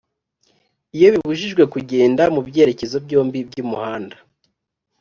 Iyo bibujijwe kugenda mu byerekezo byombi by'umuhanda